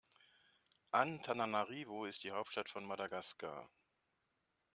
Antananarivo ist die Hauptstadt von Madagaskar.